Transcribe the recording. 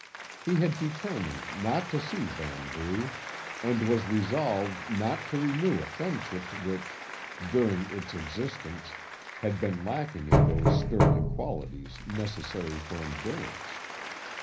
He had determined not to see Vanbrugh, and was resolved not to renew a friendship which, during its existence, had been lacking in those sterling qualities necessary for endurance.